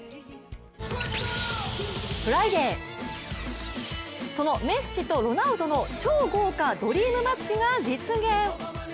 フライデー、そのメッシとロナウドの超豪華ドリームマッチが実現。